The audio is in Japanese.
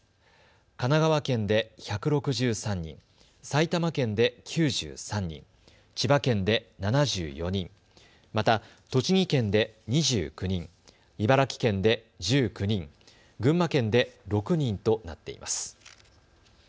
神奈川県で１６３人、埼玉県で９３人、千葉県で７４人、また、栃木県で２９人、茨城県で１９人、群馬県で６人となっています。